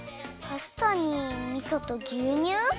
パスタにみそとぎゅうにゅう？